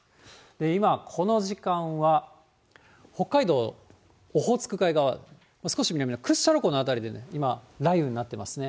今、この時間は北海道オホーツク海側、少し南の屈斜路湖の辺りで今、雷雨になっていますね。